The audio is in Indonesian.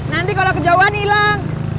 nanti kalo kejauhan ilang